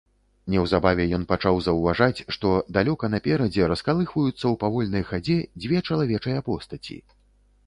Неўзабаве ён пачаў заўважаць, што далёка наперадзе раскалыхваюцца ў павольнай хадзе дзве чалавечыя постаці.